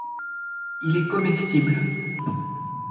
Il est comestible.